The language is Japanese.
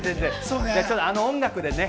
あの音楽でね。